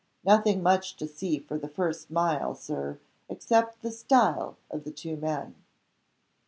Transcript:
"Nothing much to see for the first mile, Sir, except the 'style' of the two men."